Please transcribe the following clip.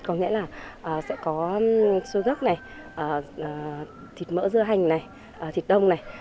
có nghĩa là sẽ có xôi gấc này thịt mỡ dưa hành này thịt đông này